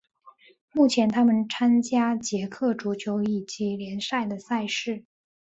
目前他们参加捷克足球乙级联赛的赛事。